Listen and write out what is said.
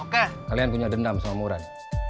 kalian punya dendam sama muran